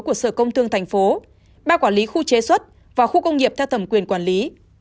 của sở công thương thành phố ba quản lý khu chế xuất và khu công nghiệp theo tầm quyền quản lý